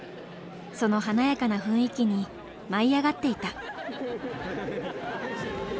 その華やかな雰囲気に舞い上がっていた。